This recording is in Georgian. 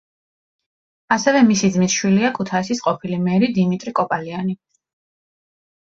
ასევე მისი ძმის შვილია ქუთაისის ყოფილი მერი დიმიტრი კოპალიანი.